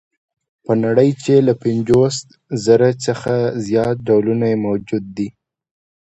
په نړۍ کې له پنځوس زره څخه زیات ډولونه یې موجود دي.